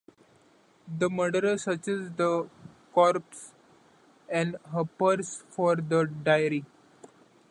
The murderer searches the corpse and her purse for the diary.